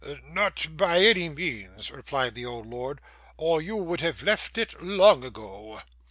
'Not by any means,' replied the old lord, 'or you would have left it long ago.